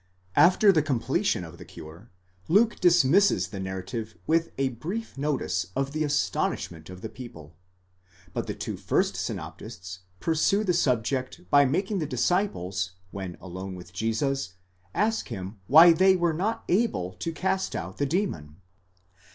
After the completion of the cure, Luke dismisses the narrative with a brief notice of the astonishment of the people ; but the two first synoptists pursue the subject by making the disciples, when alone with Jesus, ask him why they were not able to cast out the demon?